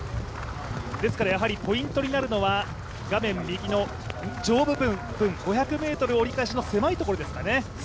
ですからポイントになるのは画面右の上部分、５００ｍ折り返しの狭いところですかね。